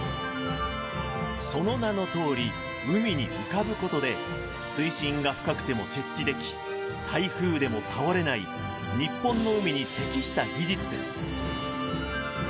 その名のとおり海に浮かぶことで水深が深くても設置でき台風でも倒れない日本の海に適した技術です